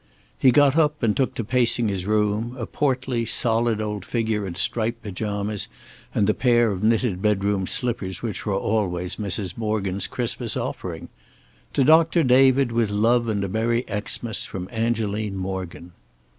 He got up and took to pacing his room, a portly, solid old figure in striped pajamas and the pair of knitted bedroom slippers which were always Mrs. Morgan's Christmas offering. "To Doctor David, with love and a merry Xmas, from Angeline Morgan."